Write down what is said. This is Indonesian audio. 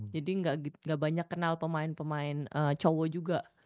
jadi gak banyak kenal pemain pemain cowok juga